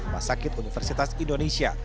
masakit universitas indonesia